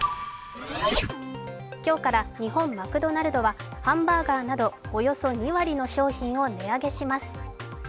今日から日本マクドナルドはハンバーガーなどおよそ２割の商品を値上げします。